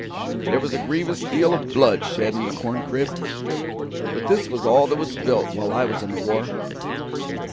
There was a grievous deal of blood shed in the corn crib, but this was all that was spilt while I was in the war.